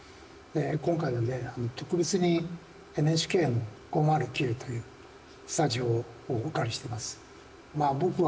今回は特別にＮＨＫの５０９というスタジオをお借りしています。